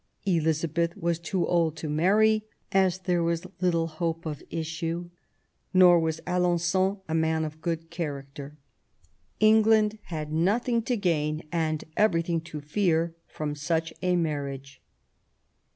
Elizabeth was too old to marry, as there was little hope of issue ; nor was Alen9on a man of good character. England had nothing to gain and everything to fear from such a marriage.